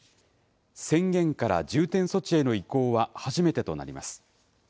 宣言から重点措置への移行は初めてとなります。